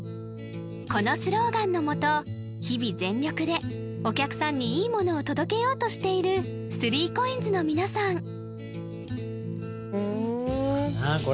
このスローガンのもと日々全力でお客さんにいいものを届けようとしているスリーコインズの皆さんまあな